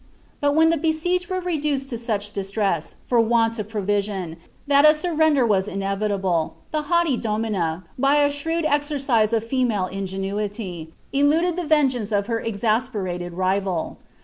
But when the besieged were reduced to such distress for want of pro rision, that a surrender was inevitable, the haughty domina, by a shrewd exercise of female ingenuity, eluded the vengeance of her exasperated rival.